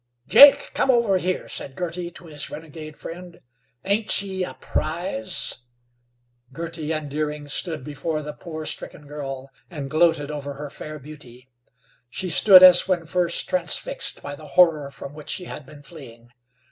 "Jake, come over here," said Girty to his renegade friend. "Ain't she a prize?" Girty and Deering stood before the poor, stricken girl, and gloated over her fair beauty. She stood as when first transfixed by the horror from which she had been fleeing.